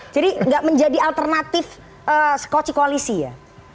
jadi tidak menjadi alternatif koalisi ya